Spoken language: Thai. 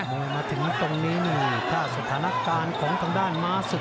มวยมาถึงตรงนี้นี่ถ้าสถานการณ์ของทางด้านม้าศึก